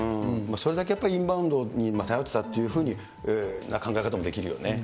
それだけやっぱりインバウンドに頼ってたというふうな考え方もできるよね。